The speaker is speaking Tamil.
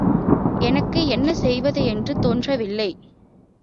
எனக்கு என்ன செய்வது என்று தோன்றவில்லை.